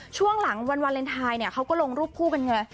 ช่วงหลังวันวาเลนไทยเนี่ยเขาก็ลงรูปคู่กันไง